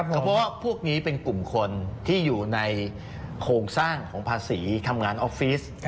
เฉพาะพวกนี้เป็นกลุ่มคนที่อยู่ในโครงสร้างของภาษีทำงานออฟฟิศ